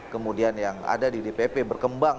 kemudian yang ada di dpp berkembang